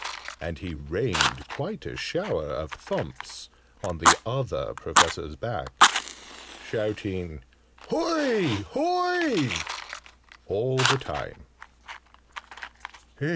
And he rained quite a shower of thumps on the Other Professor's back, shouting "Hoy! Hoy!" all the time.